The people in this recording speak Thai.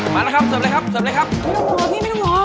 มันไม่ต้องหอพี่ไม่ต้องหอ